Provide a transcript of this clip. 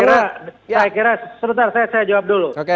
saya kira sebentar saya jawab dulu